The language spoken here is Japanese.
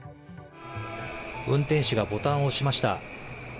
運転士がボタンを押しました。